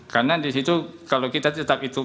karena disitu kalau kita tetap itu